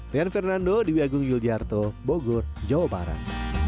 rian fernando di w agung yuljarto bogor jawa barat